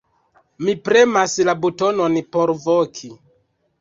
Mi premas la butonon por voki.